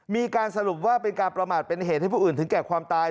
มีการสรุปว่าเป็นการประมาทเป็นเหตุให้ผู้อื่นถึงแก่ความตาย